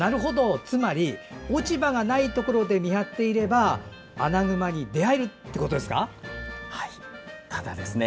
つまり落ち葉がないとこで見張っていればアナグマに出会えるってことですね。